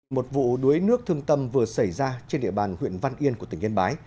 một vụ đuối nước thương tâm vừa xảy ra trên địa bàn huyện văn yên của tỉnh yên bái